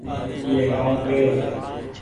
اي اڪآونٽ ڪي رو ڇي۔